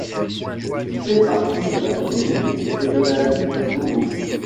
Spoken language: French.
Il fait partie de la commune et de la ville de Gobo.